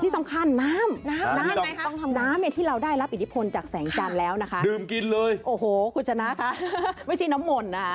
สมมุติให้เครื่องกระดาษก็ให้เอา